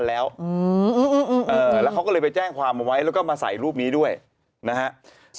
แล้วเขาก็เลยไปแจ้งความเอาไว้แล้วก็มาใส่รูปนี้ด้วยนะฮะ